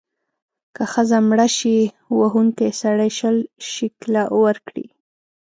که ښځه مړه شي، وهونکی سړی شل شِکِله ورکړي.